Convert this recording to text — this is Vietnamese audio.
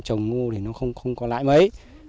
trồng ngô thì nó không có lãi mấy